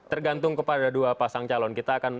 tergantung kepada dua pasang calon